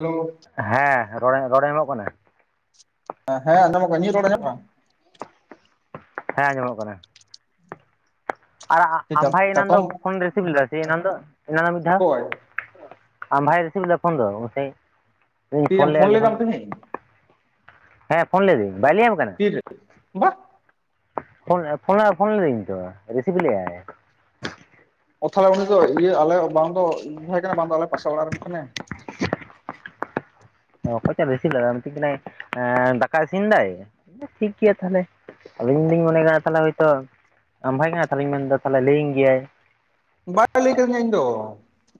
Hello ᱦᱮᱸ ᱨᱚᱲ ᱨᱚᱲᱮ ᱮᱢᱚᱜ ᱠᱟᱱᱟ ᱦᱮᱸ ᱟᱸᱡᱚᱢᱚᱜᱼᱟ ᱠᱟᱱᱟ ᱤᱧᱟᱹᱜ ᱨᱚᱲ ᱟᱸᱡᱚᱢᱚᱜ ᱠᱟᱱᱟ? ᱦᱮᱸ ᱟᱸᱡᱚᱢᱚᱜ ᱠᱟᱱᱟ᱾ ᱟᱨ ᱠᱟᱱᱟ ᱟᱢ ᱵᱷᱟᱭ ᱮᱱᱟᱝ ᱫᱚ ᱪᱟᱛᱚᱢ ᱯᱷᱳᱱ ᱨᱤᱥᱤᱵᱷ ᱞᱮᱫᱟ ᱥᱮ ᱮᱱᱟᱝ ᱫᱚ ᱮᱱᱟᱱᱚᱜ ᱢᱤᱫ ᱫᱷᱟᱣ? ᱚᱠᱚᱭ ᱟᱢ ᱵᱷᱟᱭ ᱨᱤᱥᱤᱵᱷ ᱞᱮᱫᱟ ᱯᱷᱳᱱ ᱫᱚ [unintelligible] ᱤᱧ ᱛᱤᱨᱮᱢ ᱯᱷᱳᱱ ᱞᱮᱫᱼᱟ ᱡᱚᱠᱷᱚᱱ? ᱞᱮᱫᱟᱢ ᱛᱮᱦᱮᱧ ᱦᱮᱸ ᱯᱷᱳᱱ ᱞᱤᱫᱤᱧ ᱵᱟᱭ ᱞᱟᱹᱭᱟᱢ ᱠᱟᱱᱟ? ᱛᱤᱨᱮ? ᱵᱟᱦ ᱯᱷᱳᱱ ᱯᱷᱳᱱᱟ ᱯᱷᱳᱱ ᱞᱤᱫᱟᱹᱧ ᱛᱚ ᱨᱤᱥᱤᱵᱷ ᱞᱮᱜᱟᱭ᱾ ᱚ ᱛᱟᱦᱚᱞᱮ ᱩᱱᱤ ᱫᱚ ᱤᱭᱟᱹ ᱟᱞᱮ ᱵᱟᱝ ᱫᱚ ᱤᱧ ᱵᱷᱟᱭ ᱠᱟᱱᱟ ᱵᱟᱝᱫᱚ ᱟᱞᱮ ᱯᱟᱥᱟ ᱚᱲᱟᱜ ᱨᱮᱱ ᱠᱟᱱᱮ ᱚᱠᱚᱭ ᱪᱟ ᱨᱤᱥᱤᱱ ᱞᱮᱫᱟ ᱢᱤᱛᱟᱹᱧ ᱠᱟᱱᱟᱭ ᱫᱟᱠᱟᱭ ᱤᱥᱤᱱᱫᱟᱭ ᱴᱷᱤᱠ ᱜᱮᱭᱟ ᱛᱟᱦᱞᱮ᱾ ᱟᱫᱚᱭ ᱤᱧ ᱫᱩᱧ ᱢᱚᱱᱮ ᱠᱮᱫᱟ ᱦᱚᱭ ᱛᱚ ᱟᱢ ᱵᱷᱟᱭ ᱠᱟᱱᱟ ᱛᱟᱦᱮᱧ ᱢᱮᱱᱫᱟ ᱛᱟᱦᱮ ᱞᱟᱹᱭᱟᱹᱧ ᱜᱮᱭᱟᱭ ᱵᱟᱭ ᱞᱟᱹᱭ ᱠᱟᱫᱤᱧᱟ ᱤᱧ ᱫᱚ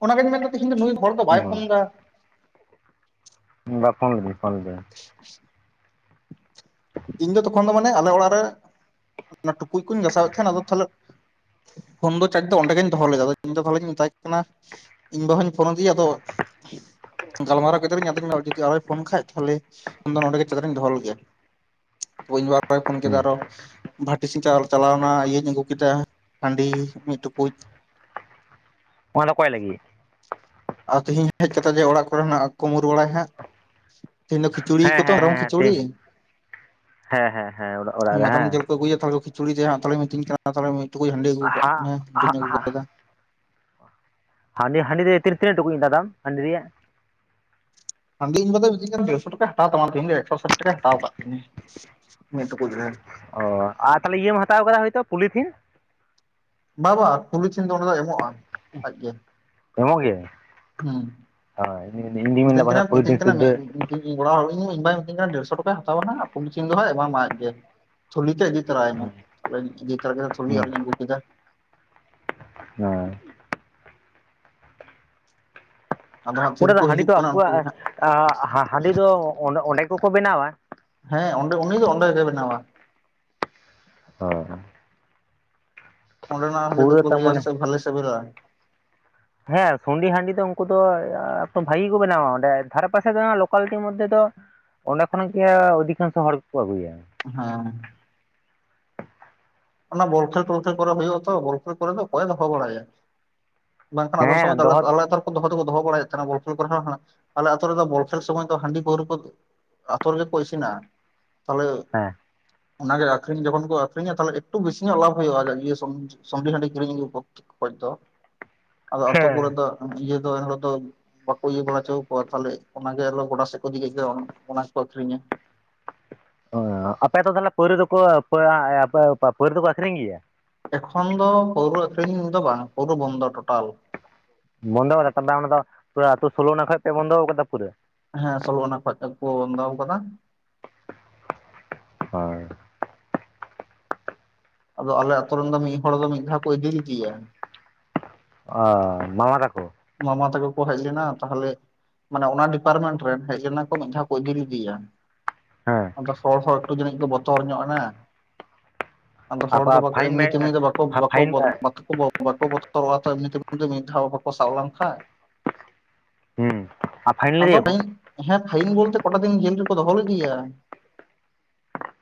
ᱚᱱᱟᱜᱤᱧ ᱢᱮᱱᱫᱟ ᱛᱮᱦᱮᱧ ᱫᱚ ᱱᱩᱭ ᱦᱚᱲ ᱫᱚ ᱵᱟᱭ ᱯᱷᱳᱱ ᱫᱟ? ᱵᱟ ᱯᱷᱳᱱ ᱞᱮᱫᱤᱧ ᱯᱷᱳᱱ ᱞᱮᱫᱟ [unintelligible] ᱤᱧ ᱫᱚ ᱛᱚᱠᱷᱚᱱ ᱫᱚ ᱢᱟᱱᱮ ᱟᱞᱮ ᱚᱲᱟᱜ ᱨᱮ ᱴᱩᱠᱩᱡ ᱠᱚᱧ ᱜᱟᱥᱟᱣᱮᱫ ᱛᱟᱦᱮᱸᱫ ᱟᱫᱚ ᱛᱟᱦᱞᱮ ᱯᱷᱩᱱ ᱫᱚ ᱪᱟᱡᱽ ᱫᱚ ᱚᱸᱰᱮ ᱜᱮᱤᱧ ᱫᱚᱦᱚ ᱞᱮᱫᱟ ᱟ ᱤᱧ ᱫᱚ ᱛᱟᱷᱟᱞᱮᱧ ᱢᱮᱛᱟᱭ ᱠᱟᱱᱟ ᱤᱧ ᱵᱟᱵᱟᱩᱧ ᱯᱷᱳᱱ ᱟᱫᱮᱭᱟ ᱟᱫᱚ ᱜᱟᱞᱢᱟᱨᱟᱣ ᱠᱮᱫᱟ ᱞᱤᱧ ᱟᱫᱚᱧ ᱡᱩᱫᱤ ᱟᱨᱚᱭ ᱯᱷᱳᱱ ᱠᱷᱟᱡ ᱛᱟᱦᱚᱞᱮ ᱯᱷᱳᱱ ᱫᱚ ᱱᱚᱰᱮ ᱜᱮ ᱪᱟᱡᱽᱨᱮᱧ ᱫᱚᱦᱚ ᱞᱮᱜᱮ [unintelligible] ᱯᱷᱳᱱ ᱠᱮᱫᱟ ᱦᱩᱸ ᱟᱨᱚ ᱵᱷᱟᱴᱤ ᱥᱤ ᱪᱟᱞᱟᱣ ᱮᱱᱟ ᱤᱭᱟᱹᱧ ᱟᱹᱜᱩ ᱠᱮᱫᱟ ᱦᱟᱺᱰᱤ ᱢᱤᱫ ᱴᱩᱠᱩᱡ ᱚᱱᱟ ᱫᱚ ᱚᱠᱚᱭ ᱞᱟᱹᱜᱤᱫ? ᱟᱨ ᱛᱤᱦᱤᱧ ᱦᱮᱡ ᱠᱟᱛᱮ ᱡᱮ ᱚᱲᱟᱜ ᱠᱚᱨᱮᱱᱟᱜ ᱠᱩᱢ ᱨᱩᱣᱟᱹᱲᱟᱭ ᱠᱷᱟᱡ ᱛᱮᱦᱤᱧ ᱫᱚ ᱠᱤ ᱪᱩᱲᱤ ᱦᱮᱸ ᱠᱚᱛᱚ ᱦᱮᱸ ᱨᱚᱝ ᱦᱮᱸ ᱠᱚ ᱦᱮᱸ ᱛᱤ ᱪᱩᱲᱤ ᱦᱮᱸ ᱦᱮᱸ ᱦᱮᱸ ᱚᱲᱟᱜ ᱨᱮ ᱢᱮᱨᱚᱢ ᱦᱮᱸ ᱡᱮᱞ ᱠᱚ ᱟᱹᱜᱩᱭᱟ ᱪᱩᱲᱤ ᱡᱮ ᱦᱟᱸᱜ ᱛᱟᱞᱮ ᱢᱤᱛᱟᱹᱧ ᱠᱟᱱᱟ ᱛᱟᱦᱮ ᱢᱤᱫ ᱴᱩᱠᱩᱡ ᱦᱟᱸᱰᱤ ᱟᱹᱜᱩ ᱠᱟᱜ ᱦᱟᱸ ᱢᱮ ᱦᱟᱺᱰᱤᱧ ᱟᱹᱜᱩ ᱦᱟᱸ ᱠᱟᱫᱟ ᱦᱟᱸᱰᱤ ᱦᱟᱸᱰᱤ ᱨᱮ ᱛᱤᱱ ᱛᱱᱟᱹᱜ ᱴᱩᱠᱩᱡ ᱨᱮᱱᱟᱜ ᱫᱟᱢ ᱦᱟᱺᱰᱤ ᱨᱮᱭᱟᱜ? ᱥᱟᱺᱜᱤᱧ ᱠᱚᱫᱚ ᱵᱤᱥᱤ ᱠᱟᱭᱛᱮ ᱫᱮᱲᱥᱚ ᱴᱟᱠᱟᱭ ᱦᱟᱛᱟᱣ ᱛᱟᱢᱟ ᱛᱮᱹᱦᱮᱹᱧ ᱫᱚ ᱮᱠᱥᱚ ᱥᱟᱴ ᱴᱟᱠᱟᱭ ᱦᱟᱛᱟᱣ ᱟᱠᱟᱫᱜ ᱹ ᱢᱩᱸ, ᱢᱤᱫ ᱴᱩᱠᱩᱡ ᱦᱮᱸ᱾ ᱚᱻ ᱟᱨ ᱛᱟᱦᱞᱮ ᱤᱭᱟᱹᱢ ᱦᱟᱛᱟᱣ ᱟᱠᱟᱫᱟ ᱦᱚᱭᱛᱳ ᱯᱚᱞᱤᱛᱷᱤᱱ ᱾ ᱵᱟ-ᱵᱟ ᱯᱚᱞᱤ ᱛᱷᱤᱱ ᱫᱚ ᱚᱱᱟ ᱫᱚ ᱮᱢᱚᱜᱼᱟ ᱟᱡ ᱜᱮ, ᱦᱩᱸ ᱾ ᱦᱚᱭ, ᱞᱤᱞ ᱤᱸᱝᱤᱝᱠ ᱾ ᱵᱷᱮᱱᱛᱨᱟᱢᱩ ᱵᱷᱮᱱᱛᱨᱟ ᱢᱮ ᱾ ᱤᱧ ᱚᱲᱟᱜ ᱦᱚᱲ ᱤᱧ ᱵᱟᱭ ᱢᱤᱛᱟᱹᱧ ᱠᱟᱱᱟ ᱰᱮᱲᱥᱚ ᱴᱟᱠᱟᱭ ᱦᱟᱛᱟᱣᱟ ᱦᱟᱸᱜ ᱯᱩᱞᱤᱛᱷᱤᱱ ᱫᱚ ᱦᱟᱸᱜ ᱮᱢᱟ ᱢᱟᱭ ᱟᱡ ᱜᱮ ᱾ ᱛᱷᱩᱞᱤ ᱛᱮ ᱤᱫᱤ ᱛᱟᱨᱟᱭ ᱢᱮ ᱦᱩᱸ ᱟᱫᱚᱧ ᱤᱫᱤ ᱛᱟᱨᱟ ᱠᱮᱫᱟ ᱛᱷᱩᱞᱤ ᱟᱨᱦᱚᱧ ᱟᱹᱜᱩ ᱠᱮᱫᱟ ᱾ ᱦᱮᱸ ᱾ ᱟᱫᱚ ᱦᱟᱸᱜ ᱚᱸᱰᱮ ᱛᱤᱨᱮ ᱫᱚ ᱠᱚ ᱦᱟᱺᱰᱤ ᱦᱤᱡᱩᱜ ᱫᱚ ᱠᱟᱱᱟ ᱩᱱᱠᱩ ᱜᱮ ᱟᱠᱚᱣᱟᱜ ᱦᱟᱸᱜ ᱟ ᱦᱟ-ᱦᱟ ᱦᱟᱺᱰᱤ ᱫᱚ ᱚᱸᱰᱮ, ᱚᱸᱰᱮ ᱠᱚᱠᱚ ᱵᱮᱱᱟᱣᱟ? ᱦᱮᱸ, ᱚᱸᱰᱮ ᱩᱱᱤ ᱜᱮ ᱚᱸᱰᱮ ᱜᱮᱭ ᱵᱮᱱᱟᱣᱟ ᱾ ᱚᱭ-ᱦᱟᱸᱜ ᱾ ᱚᱸᱰᱮ ᱱᱟᱜ ᱦᱟᱺᱰᱤ ᱯᱩᱨᱟᱹ ᱫᱚᱠᱚ ᱛᱟᱨ ᱞᱟᱹᱭᱟ ᱢᱟᱱᱮ ᱥᱮ ᱵᱷᱟᱞᱮᱹ ᱥᱮᱹᱵᱮᱹᱞᱟ ᱾ ᱦᱮᱸ ᱥᱩᱸᱰᱤ ᱦᱟᱺᱰᱤ ᱫᱚ ᱩᱱᱠᱩ ᱫᱚ ᱮ ᱟ ᱵᱷᱟᱜᱮᱹ ᱠᱚ ᱵᱮᱱᱟᱣᱟ ᱚᱸᱰᱮ ᱫᱷᱟᱨᱮ ᱯᱟᱥᱮ ᱫᱚ ᱞᱳᱠᱟᱞᱴᱤ ᱢᱚᱫᱽᱫᱷᱮ ᱫᱚ ᱚᱸᱰᱮ ᱠᱷᱚᱱᱟᱜ ᱜᱮ ᱚᱫᱷᱤᱠᱟᱝᱥᱚ ᱦᱚᱲ ᱠᱚᱠᱚ ᱟᱹᱜᱩᱭᱟ ᱾ ᱦᱮᱸ ᱾ ᱚᱱᱟ ᱵᱚᱠᱷᱮᱹᱞ ᱛᱚᱞᱠᱷᱮᱹᱞ ᱠᱚᱨᱮ ᱦᱳᱭᱳᱜᱼᱟ ᱛᱚ ᱵᱚᱞᱠᱷᱮᱹᱞ ᱠᱚᱨᱮ ᱫᱚ ᱚᱠᱚᱭᱮ ᱫᱚᱦᱚ ᱵᱟᱲᱟᱭᱟ ᱾ ᱵᱟᱝᱠᱷᱟᱱ ᱟᱞᱟᱫᱟ ᱥᱚᱢᱚᱭ ᱦᱮᱸ ᱫᱚ ᱫᱚᱦᱚ ᱟᱞᱮ-ᱟᱞᱮᱟᱛᱳ ᱨ ᱫᱚᱦᱚ ᱫᱚᱠᱚ ᱫᱚᱦᱚ ᱵᱟᱲᱟᱭᱮᱜ ᱛᱟᱦᱮᱱᱟ ᱵᱚᱞᱠᱷᱮᱹᱞ ᱠᱚᱨᱮ ᱦᱚᱸ ᱦᱟᱸ ᱟᱞᱮ ᱟᱛᱳ ᱨᱮᱫᱚ ᱵᱚᱞᱠᱦᱮᱹᱞ ᱥᱚᱢᱚᱭ ᱫᱚ ᱦᱟᱺᱰᱤ ᱯᱟᱹᱣᱨᱟᱹ ᱠᱚ ᱟᱛᱳ ᱨᱮᱜᱮ ᱠᱚ ᱤᱥᱤᱱᱟ ᱛᱟᱞᱦᱮ ᱦᱮᱸ ᱚᱱᱟᱜᱮ ᱟᱠᱷᱨᱤᱧ ᱡᱚᱠᱷᱚᱱ ᱠᱚ ᱟᱠᱷᱨᱤᱧᱟ ᱛᱟᱞᱦᱮ ᱮᱠᱴᱩ ᱵᱤᱥᱤ ᱧᱚᱜ ᱞᱟᱵᱷ ᱦᱳᱭᱳᱜᱼᱟ ᱥᱩᱱ, ᱥᱩᱰᱤ ᱦᱟᱺᱰᱤ ᱠᱤᱨᱤᱧ ᱟᱹᱜᱩ ᱠᱚ ᱠᱷᱚᱡ ᱫᱚ ᱾ ᱟᱫᱚ ᱟᱛᱳ ᱦᱮᱸ ᱠᱚᱨᱮ ᱫᱚ ᱤᱭᱟᱹ ᱫᱚ ᱮᱱᱦᱤᱞᱳᱜ ᱫᱚ ᱵᱟᱠᱚ ᱤᱭᱟᱹ ᱵᱟᱲᱟ ᱦᱚᱪᱚ ᱟᱠᱚᱣᱟ ᱛᱟᱞᱦᱮ ᱮ ᱚᱱᱟᱜᱮ ᱜᱚᱰᱟ ᱥᱮᱜ ᱠᱚ ᱤᱫᱤ ᱠᱮᱜ ᱜᱮ ᱚᱱᱟ ᱜᱮᱠᱚ ᱟᱹᱷᱨᱤᱧᱟ ᱾ ᱚ, ᱟᱯᱮ ᱛᱚ ᱛᱟᱦᱞᱮ ᱯᱳᱣᱨᱟ. ᱫᱚᱠᱚ ᱚ ᱟ ᱯᱚ ᱟ ᱯᱟ ᱟ ᱯᱟ ᱟ ᱯᱟᱹᱣᱨᱟ. ᱫᱚᱠᱚ ᱟᱹᱠᱷᱨᱤᱧ ᱜᱮᱭᱟ ᱾ ᱮᱠᱷᱚᱱ ᱫᱚ ᱯᱟᱹᱣᱨᱟ. ᱟᱹᱷᱨᱤᱧ ᱫᱚ ᱵᱟᱝ ᱠᱚᱫᱚ ᱵᱚᱱᱫᱚ ᱴᱳᱴᱟᱞ ᱾ ᱵᱚᱱᱫᱚ ᱠᱟᱫᱟ ᱚᱱᱟ ᱫᱚ ᱯᱩᱨᱟᱹ ᱟᱛᱳ ᱥᱳᱞᱳᱱᱟ ᱠᱷᱚᱡᱯᱮ ᱵᱚᱱᱫᱚ ᱟᱠᱟᱫᱟ ᱯᱩᱨᱟᱹ? ᱦᱮᱸ, ᱥᱳᱞᱳ ᱚᱱᱟ ᱠᱷᱚᱡ ᱛᱮ ᱠᱚ ᱵᱚᱱᱫᱚ ᱟᱠᱟᱫᱟ ᱾ ᱴᱷᱚᱜ-ᱴᱷᱟᱜ-ᱴᱷᱚᱜ-ᱴᱷᱟᱜ ᱴᱷᱚᱜ ᱦᱚᱭ ᱾ ᱟᱫᱚ ᱟᱞᱮ ᱟᱛᱳ ᱨᱮᱱ ᱫᱚ ᱢᱤᱫ ᱦᱚᱲ ᱫᱚ ᱢᱤᱫ ᱫᱷᱟᱣ ᱠᱚ ᱤᱫᱤᱞᱤᱫᱤᱭᱟ ᱾ ᱟ ᱢᱟᱢᱟ ᱛᱟᱠᱚ ᱾ ᱢᱟᱢᱟ ᱛᱟᱠᱚ ᱠᱚ ᱦᱮᱡᱞᱮᱱᱟ ᱛᱟᱦᱞᱮ ᱢᱟᱱᱮ ᱚᱱᱟ ᱰᱤᱯᱟᱨᱢᱮᱱᱴ ᱨᱮᱱ ᱦᱮᱡ ᱞᱮᱱᱟ ᱠᱚ ᱢᱤᱫ ᱫᱷᱟᱣ ᱠᱚ ᱤᱫᱤ ᱞᱤᱫᱤᱭᱟ ᱾ ᱦᱮᱸ ᱾ ᱟᱫᱚ ᱦᱚᱲ ᱦᱚᱸ ᱮᱠᱴᱩ ᱡᱟᱹᱱᱤᱡ ᱠᱚ ᱵᱚᱛᱚᱨ ᱧᱚᱜ ᱮᱱᱟ ᱾ ᱟᱫᱚ ᱦᱚᱲ ᱫᱚ ᱟᱯᱟ ᱵᱟ ᱯᱷᱟᱭᱤᱱ ᱮᱹᱢᱱᱤ ᱢᱮ ᱛᱮᱹᱢᱱᱤ ᱫᱚ ᱵᱟᱠᱚᱵᱽ ᱵᱟᱠᱚᱵᱽ ᱯᱷᱟᱭᱤᱱ ᱵᱟᱠᱚᱵᱽ ᱵᱟᱠᱛᱚ ᱵᱚ ᱾ ᱵᱟ ᱠᱚ ᱵᱚᱛᱚᱨᱚᱜᱼᱟ ᱛᱚ ᱮᱢᱱᱤ ᱛᱮ ᱡᱮ ᱢᱤᱫ ᱫᱷᱟᱣ ᱵᱟ ᱠᱚ ᱥᱟᱵ ᱞᱮᱢ ᱠᱷᱟᱡ ᱦᱩᱸ ᱟᱨ ᱯᱷᱟᱭᱤᱱ ᱾ ᱟᱫᱚ ᱞᱮᱫᱮᱭᱟᱠᱚ ᱦᱮᱸ, ᱯᱷᱟᱭᱤᱱ ᱵᱚᱞᱛᱮᱹ ᱠᱚᱴᱟ ᱫᱤᱱ ᱡᱮᱹᱞ ᱨᱮᱠᱚ ᱫᱚᱦᱚ ᱞᱤᱫᱤᱭᱟ ᱾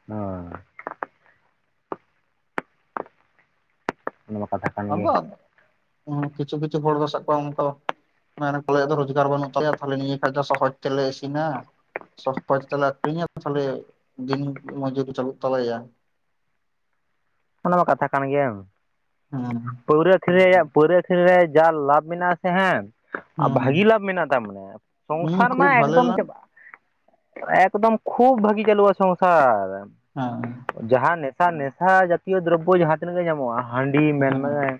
ᱦᱚᱭ ᱾ ᱱᱚᱣᱟ ᱠᱟᱛᱷᱟ ᱠᱟᱱ ᱜᱮ ᱟᱵᱚᱮᱟᱜ, ᱢᱩᱸ ᱠᱤᱪᱷᱩ ᱠᱤᱪᱷᱩ ᱦᱚᱲ ᱫᱚ ᱥᱟᱵ ᱠᱚᱣᱟ ᱚᱱᱠᱟ ᱾ ᱢᱮᱱᱟᱠᱚ ᱟᱞᱮᱭᱟᱜ ᱫᱚ ᱨᱚᱡᱽᱜᱟᱨ ᱵᱟᱹᱱᱩᱜ ᱛᱟᱞᱮᱭᱟ ᱛᱟᱦᱞᱮ ᱱᱤᱭᱟᱹᱠᱷᱟᱡ ᱫᱚ ᱥᱚᱦᱚᱡᱽ ᱛᱮᱞᱮ ᱤᱥᱤᱱᱟ ᱾ ᱥᱚᱛ ᱯᱟᱪ ᱛᱮᱞᱮ ᱟᱠᱷᱨᱤᱧᱟ ᱛᱟᱞᱦᱮ ᱫᱤᱱ ᱢᱚᱡᱩᱛ ᱪᱟᱹᱞᱩᱜ ᱛᱟᱞᱮᱭᱟ ᱾ ᱚᱱᱟ ᱢᱟ ᱠᱟᱛᱷᱟ ᱠᱟᱱ ᱜᱮᱭᱟ ᱾ ᱮᱸ ᱯᱟᱹᱣᱨᱟᱹ ᱟᱹᱠᱷᱨᱤᱧ ᱨᱭᱟᱜ ᱯᱟᱹᱣᱟᱹᱨᱟᱹ ᱟᱹᱠᱷᱨᱤ ᱨᱮ ᱡᱟ ᱞᱟᱵᱷ ᱢᱮᱱᱟᱜᱼᱟᱥᱮ ᱦᱮᱸ ᱯ-ᱪᱟᱜ, ᱟᱨ ᱦᱮᱸ ᱵᱷᱟᱜᱤ ᱞᱟᱵᱷ ᱢᱮᱱᱟᱜ ᱛᱟ ᱢᱟᱱᱮ ᱦᱮᱸ ᱥᱚᱝᱥᱟᱨ ᱢᱟ ᱠᱷᱩᱵ ᱵᱷᱟᱞᱮ ᱮᱠᱫᱚᱢ ᱞᱟᱝ ᱪᱟᱵᱟᱜᱼᱟ ᱾ ᱮᱠᱫᱚᱢ ᱠᱷᱩᱵ ᱵᱷᱟᱹᱜᱤ ᱪᱟᱞᱩᱼᱟ ᱥᱚᱝᱥᱟᱨ ᱾ ᱦᱮᱸ᱾ ᱡᱟᱦᱟᱸ ᱱᱮᱥᱟ ᱱᱮᱥᱟ ᱡᱟᱛᱤᱭᱚ ᱫᱨᱚᱵᱚ ᱡᱟᱦᱟᱸ ᱛᱤᱱᱟᱹᱜ ᱜᱮ ᱧᱟᱢᱚᱜᱼᱟ ᱦᱟᱺᱰᱤ ᱦᱮᱸ ᱢᱮᱱᱟᱢ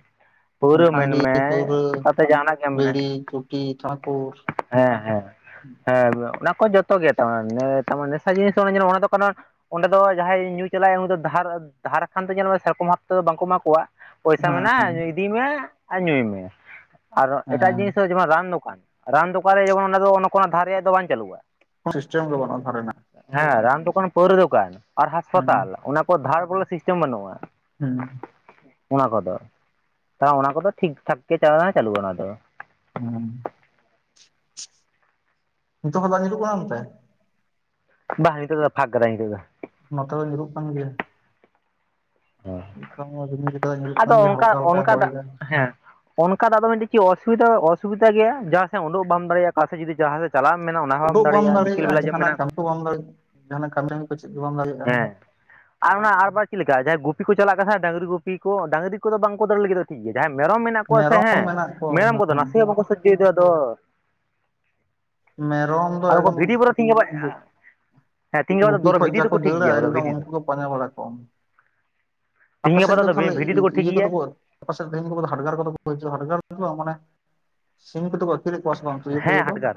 ᱯᱟᱣᱨᱟ ᱦᱟᱺᱰᱤ ᱢᱮᱱᱢᱮ ᱯᱟᱹᱣᱨᱟᱹ ᱛᱟᱛᱮ ᱡᱟᱦᱟᱸᱱᱟᱜ ᱢᱮᱱᱢᱮ ᱵᱤᱲᱤ ᱪᱩᱴᱤ ᱛᱷᱟᱠᱩᱨ ᱾ ᱦᱮᱸ ᱦᱮᱸ ᱦᱮᱸ ᱚᱱᱟ ᱠᱚ ᱡᱚᱛᱚ ᱜᱮ ᱛᱟᱨ ᱱᱮᱥᱟ ᱡᱤᱱᱤᱥ ᱡᱮ ᱚᱱᱟ ᱫᱚ ᱠᱟᱱᱟ ᱚᱸᱰᱮ ᱫᱚ ᱡᱟᱦᱟᱸᱭ ᱧᱩ ᱪᱟᱞᱟᱜᱼᱟ ᱩᱱᱤ ᱫᱚ ᱫᱷᱟᱨ ᱫᱷᱟᱨ ᱦᱟᱸᱱᱛᱮ ᱡᱮᱞ ᱢᱮ ᱥᱮᱨᱚᱠᱚᱢ ᱵᱷᱟᱛᱮ ᱫᱚ ᱵᱟᱝᱠᱚ ᱮᱢᱟ ᱠᱚᱣᱟ ᱯᱚᱭᱥᱟ ᱦᱮᱸ ᱢᱮᱱᱟᱜᱼᱟ ᱤᱫᱤᱭ ᱢᱮ ᱟᱨ ᱧᱩᱭ ᱢᱮ ᱾ ᱟᱨ ᱮᱴᱟᱜ ᱡᱤᱱᱤᱥ ᱦᱮᱸ ᱫᱚ ᱡᱮᱢᱚᱱ ᱨᱟᱱ ᱫᱚᱠᱟᱱ ᱨᱟᱱ ᱫᱚᱠᱟᱱ ᱨᱮ ᱡᱮᱢᱚᱱ ᱚᱱᱟ ᱫᱚ ᱠᱳ ᱫᱷᱟᱨ ᱨᱮᱭᱟᱜ ᱫᱚ ᱵᱟᱝ ᱪᱟᱹᱞᱩᱜᱼᱟ ᱾ ᱥᱤᱥᱴᱮᱢ ᱜᱮ ᱵᱟᱱᱩᱜᱼᱟ ᱫᱷᱚᱨ ᱨᱮᱱᱟᱜ ᱾ ᱦᱮᱸ ᱨᱟᱱ ᱫᱚᱠᱟᱱ ᱯᱟᱹᱣᱨᱟᱹ ᱫᱚᱠᱟᱱ ᱟᱨ ᱦᱮᱸ ᱦᱟᱸᱥᱯᱟᱛᱟᱞ ᱚᱱᱟ ᱠᱚ ᱫᱷᱟᱨ ᱵᱚᱞᱮ ᱥᱤᱥᱴᱮᱢ ᱵᱟᱹᱱᱩᱜᱼᱟ ᱾ ᱦᱩᱸ᱾ ᱚᱱᱟ ᱠᱚᱫᱚ ᱛᱟ ᱚᱱᱟ ᱠᱚᱫᱚ ᱴᱷᱤᱠ ᱴᱷᱟᱠ ᱜᱮ ᱪᱟᱞᱟ ᱪᱟᱹᱞᱩᱜᱼᱟ ᱚᱱᱟ ᱫᱚ᱾ ᱦᱩᱸ᱾ ᱱᱤᱛᱚᱜ ᱦᱚᱸ ᱫᱟᱜ ᱧᱩᱨᱚᱜ ᱠᱟᱱᱟ ᱚᱱᱛᱮ? ᱵᱟᱝ ᱱᱤᱛᱚᱜ ᱫᱚ ᱯᱷᱟᱜ ᱠᱟᱫᱟᱭ ᱱᱤᱛᱚᱜ ᱫᱚ᱾ ᱱᱚᱛᱮ ᱫᱚ ᱧᱩᱨᱩᱜ ᱠᱟᱱ ᱜᱮᱭᱟ ᱾ ᱫᱚ ᱱᱚᱛᱮ ᱢᱟ ᱨᱤᱢᱤᱞ ᱠᱟᱫᱟᱭ ᱧᱩᱨᱩᱜ ᱠᱟᱱ ᱟᱫᱚ ᱜᱮᱭᱟ ᱚᱱᱠᱟ ᱦᱟᱞᱠᱟ ᱦᱟᱞᱠᱟ ᱚᱱᱠᱟ ᱫᱟᱜ ᱦᱚᱭᱫᱟ᱾ ᱦᱮᱸ ᱚᱱᱠᱟ ᱫᱟᱜ ᱫᱚ ᱢᱤᱫᱴᱮᱡ ᱪᱮᱫ ᱚᱥᱩᱵᱤᱫᱟ ᱚᱥᱩᱵᱤᱫᱟ ᱜᱮᱭᱟ ᱡᱟᱦᱟᱸᱥᱮᱫ ᱩᱰᱹᱜ ᱵᱟᱢ ᱫᱟᱲᱮᱭᱟᱜ ᱚᱠᱟ ᱥᱮᱫ ᱡᱩᱫᱤ ᱡᱟᱦᱟᱸ ᱥᱮᱫ ᱪᱟᱞᱟᱜ ᱮᱢ ᱢᱮᱱᱟ ᱚᱱᱟ ᱦᱚᱸᱢ ᱩᱰᱩᱠ ᱵᱟᱢ ᱫᱟᱲᱮᱭᱟᱜᱼᱟ ᱵᱤᱠᱮᱞ ᱵᱮᱞᱟ ᱡᱮᱢ ᱡᱟᱦᱟᱱᱟᱜ ᱢᱮᱱᱟ ᱠᱟᱹᱢᱤ ᱠᱚ ᱵᱟᱢ ᱫᱟᱲᱮᱭᱟᱜᱼᱟ ᱡᱟᱦᱟᱱᱟᱜ ᱠᱟᱹᱢᱤ ᱠᱚ ᱪᱮᱫ ᱜᱮ ᱵᱟᱢ ᱫᱟᱲᱮᱭᱟᱜᱼᱟ ᱦᱮᱸ ᱟᱨ ᱚᱱᱟ ᱟᱨᱵᱟᱨ ᱪᱮᱫ ᱞᱮᱠᱟ ᱡᱟᱦᱟᱸᱭ ᱜᱩᱯᱤ ᱠᱚ ᱪᱟᱞᱟᱜ ᱠᱟᱱᱟ ᱰᱟᱹᱝᱨᱤ ᱜᱩᱯᱤ ᱠᱚ ᱰᱟᱹᱝᱨᱤ ᱠᱚᱫᱚ ᱵᱟᱝᱠᱚ ᱫᱟᱹᱲ ᱞᱟᱹᱜᱤᱫᱚᱜ ᱴᱷᱤᱠ ᱜᱮ ᱡᱟᱦᱟᱸᱭ ᱢᱮᱨᱚᱢ ᱢᱮᱱᱟᱜ ᱠᱚᱣᱟ ᱥᱮ ᱢᱮᱨᱚᱢ ᱦᱮᱸ ᱢᱮᱱᱟᱜ ᱢᱮᱨᱚᱢ ᱠᱚᱣᱟ ᱠᱚᱫᱚ ᱦᱮᱸ ᱱᱟᱥᱮ ᱦᱚᱸ ᱵᱟᱠᱚ ᱥᱚᱡᱡᱚᱭ ᱫᱚ ᱟᱫᱚ ᱢᱮᱨᱚᱢ ᱫᱚ ᱟᱫᱚ ᱠᱚ ᱮᱠᱫᱚᱢ ᱵᱷᱤᱰᱤ ᱵᱚᱨᱮ ᱛᱤᱧ ᱜᱟᱯᱟ ᱟ ᱜᱩ- ᱦᱮᱸ ᱛᱤᱱ ᱜᱟᱯᱟᱜ ᱜᱩᱯᱤ ᱵᱚᱨᱚᱝ ᱠᱷᱚᱡ ᱵᱷᱤᱰᱤ ᱡᱟ ᱫᱚᱠᱚ ᱠᱚ ᱴᱷᱤᱠ ᱜᱮᱭᱟ ᱫᱟᱹᱲᱟ ᱵᱚᱨᱚᱝ ᱮᱠᱫᱚᱢ ᱵᱷᱤᱰᱤ ᱫᱚ। ᱩᱱᱠᱩ ᱜᱮ ᱯᱟᱸᱡᱟ ᱵᱟᱲᱟ ᱠᱚᱢ ᱛᱤᱦᱤᱧ ᱟᱯᱮᱥᱮᱫ ᱜᱟᱯᱟ ᱫᱚ ᱛᱟᱦᱚᱞᱮ ᱵᱷᱤᱰᱤ ᱤ ᱫᱚᱠᱚ ᱴᱷᱤᱠ ᱤᱭᱟᱹ ᱠᱚᱫᱚ ᱜᱮᱭᱟ ᱠᱚ ᱟᱯᱮ ᱥᱮᱫ [inaudible] ᱠᱚ ᱦᱟᱰᱜᱟᱨ ᱠᱚᱫᱚ ᱠᱚ ᱦᱤᱡᱩᱜᱼᱟ ᱦᱟᱰᱜᱟᱨ ᱠᱚᱫᱚ ᱢᱟᱱᱮ ᱥᱤᱢ [inaudible] ᱟᱛᱠᱤᱨᱤ ᱠᱚᱣᱟ ᱥᱮᱵᱟᱝ? ᱦᱮᱸ ᱦᱟᱰᱜᱟᱨ